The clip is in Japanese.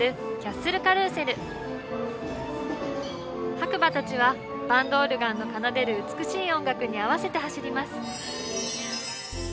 白馬たちはバンドオルガンの奏でる美しい音楽に合わせて走ります。